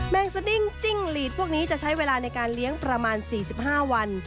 งสดิ้งจิ้งหลีดพวกนี้จะใช้เวลาในการเลี้ยงประมาณ๔๕วัน